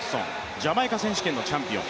ジャマイカ選手権のチャンピオン。